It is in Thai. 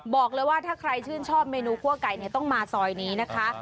บอกเลยว่าถ้าใครชื่นชอบเมนูคั่วไก่เนี่ยต้องมาซอยนี้นะคะ